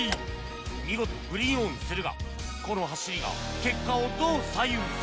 見事グリーンオンするがこの走りが結果をどう左右するか？